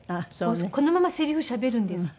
このままセリフしゃべるんですって。